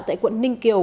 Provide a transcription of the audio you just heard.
tại quận ninh kiều